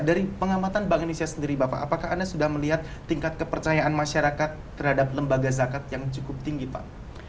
dari pengamatan bank indonesia sendiri bapak apakah anda sudah melihat tingkat kepercayaan masyarakat terhadap lembaga zakat yang cukup tinggi pak